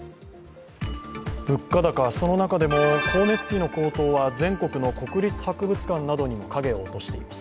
物価高、その中でも光熱費の高騰は国立科学博物館などにも影を落としています。